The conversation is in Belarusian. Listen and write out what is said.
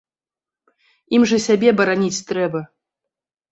Ім жа сябе бараніць трэба!